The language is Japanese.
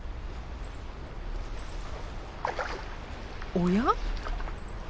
おや？